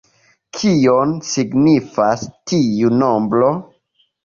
Kion signifas tiu nombro?